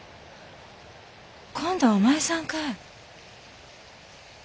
今度はお前さんかい。